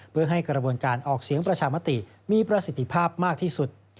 เพื่อให้กระบวนการออกเสียงประชามติมีประสิทธิภาพมากที่สุด